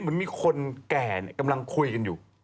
เหมือนมีคนแก่กำลังคุยกันอยู่